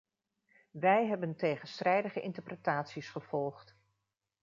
Wij hebben tegenstrijdige interpretaties gevolgd.